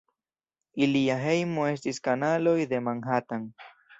Ilia hejmo estis kanaloj de Manhattan.